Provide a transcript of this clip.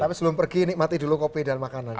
tapi sebelum pergi nikmati dulu kopi dan makanan